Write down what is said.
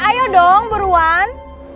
pak ayo dong beruan